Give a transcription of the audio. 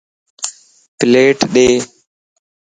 پليٽ ڏي